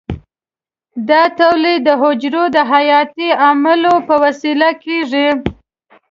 دا تولید د حجرو د حیاتي عملیو په وسیله کېږي.